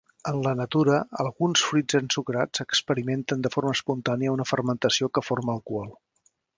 En la natura alguns fruits ensucrats experimenten de forma espontània una fermentació que forma alcohol.